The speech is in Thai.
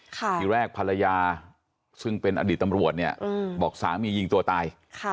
ทีแรกภรรยาซึ่งเป็นอดีตตำรวจเนี่ยบอกสามียิงตัวตาย